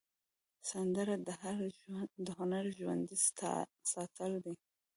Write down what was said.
سندره د هنر ژوندي ساتل دي